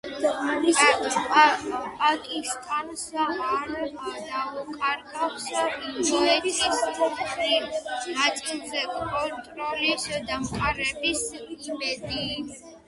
პაკისტანს არ დაუკარგავს ინდოეთის კუთვნილ ნაწილზე კონტროლის დამყარების იმედი.